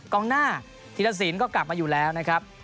กล้องหน้าทีนศิลป์ก็กลับมาอยู่แล้วนะครับ